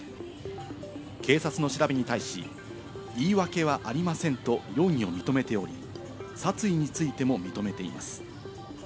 警察の調べに対し、言い訳はありませんと容疑を認めており、殺意についても認めています。